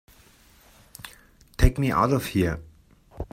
Take me out of here!